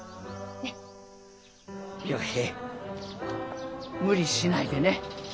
陽平無理しないでね。